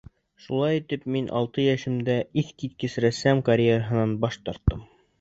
Шулай итеп мин алты йәшемдә иҫ киткес рәссам карьераһынан баш тарттым.